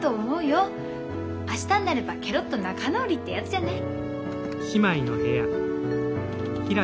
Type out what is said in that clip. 明日になればケロッと仲直りってやつじゃない？